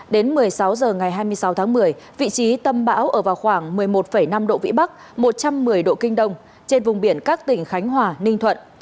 đến một mươi sáu h ngày hai mươi sáu tháng một mươi vị trí tâm bão ở vào khoảng một mươi một năm độ vĩ bắc một trăm một mươi độ kinh đông trên vùng biển các tỉnh khánh hòa ninh thuận